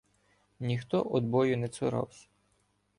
Ніхто од бою не цуравсь.